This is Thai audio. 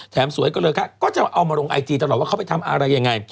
สวยกันเลยค่ะก็จะเอามาลงไอจีตลอดว่าเขาไปทำอะไรยังไง